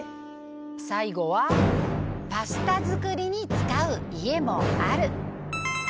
最後は「パスタ」作りに使う家もある。